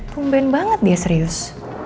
pemben banget dia serius